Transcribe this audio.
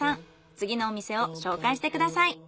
次のお店を紹介してください。